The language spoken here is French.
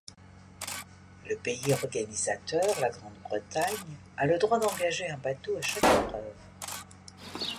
Le pays organisateur, la Grande-Bretagne a le droit d'engager un bateau à chaque épreuve.